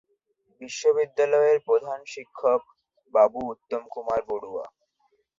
বিদ্যালয়ের প্রধান শিক্ষক বাবু উত্তম কুমার বড়ুয়া।